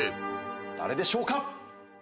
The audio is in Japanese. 誰でしょうか？